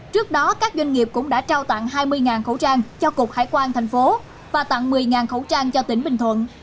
trước đó các doanh nghiệp cũng đã trao tặng hai mươi khẩu trang cho cục hải quan thành phố và tặng một mươi khẩu trang cho tỉnh bình thuận